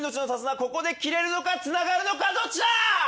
ここで切れるのかつながるのかどっちだ！？